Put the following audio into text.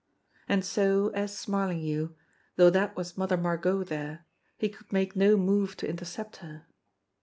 And so, as Smarlhghue, though that was Mother Margot there, he could make no move to intercept her.